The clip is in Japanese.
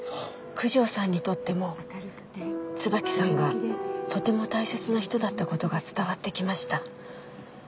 九条さんにとっても椿さんがとても大切な人だったことが伝わってきました。